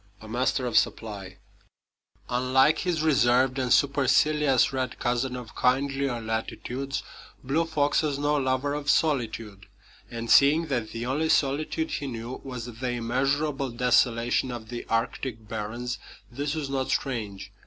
A Master of Supply Unlike his reserved and supercilious red cousin of kindlier latitudes, Blue Fox was no lover of solitude; and seeing that the only solitude he knew was the immeasurable desolation of the Arctic barrens, this was not strange.